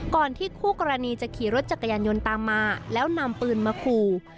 ก่อนที่คู่กรณีจะขี่รถจักรยานยนต์ตามมาแล้วนำปืนมาขู่